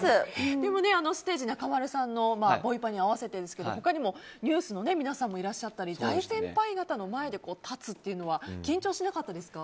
でもね、あのステージは中丸さんのボイパに合わせてですが他にもＮＥＷＳの皆さんもいらっしゃったり大先輩方の前で立つのは緊張しなかったですか？